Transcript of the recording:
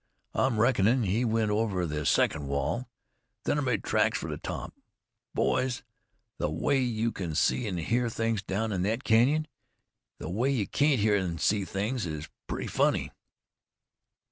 I'm reckonin' he went over the second wall. Then I made tracks for the top. Boys, the way you can see an' hear things down in thet canyon, an' the way you can't hear an' see things is pretty funny."